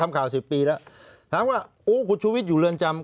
ทำข่าว๑๐ปีแล้วถามว่าคุณชุวิตอยู่เรือนจำ